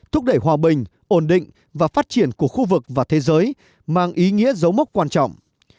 thúc đẩy hòa bình ổn định và phát triển của khu vực và thế giới mang ý nghĩa dấu mốc quan trọng